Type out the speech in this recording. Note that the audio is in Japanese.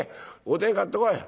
おでん買ってこい。